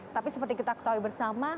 tapi seperti kita ketahui bersama